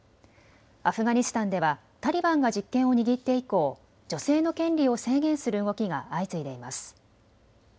アフガニスタンではタリバンが実権を握って以降、女性の権利を制限する動きが相次いでいます。